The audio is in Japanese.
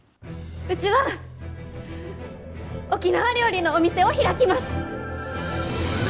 うちは沖縄料理のお店を開きます！